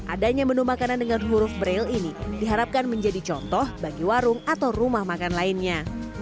adanya menu makanan dengan huruf braille ini diharapkan menjadi contoh bagi warung atau rumah makan lainnya